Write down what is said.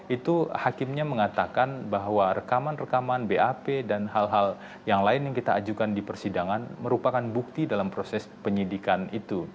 itu hakimnya mengatakan bahwa rekaman rekaman bap dan hal hal yang lain yang kita ajukan di persidangan merupakan bukti dalam proses penyidikan itu